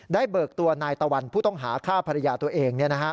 ได้เบิกตัวนายตะวันผู้ต้องหาฆ่าภรรยาตัวเองเนี่ยนะฮะ